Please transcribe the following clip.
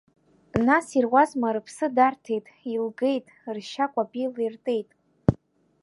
Нас ируазма, рыԥсы дарҭеит, илгеит, ршьа кәапеила иртеит!